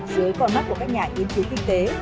dưới con mắt của các nhà nghiên cứu kinh tế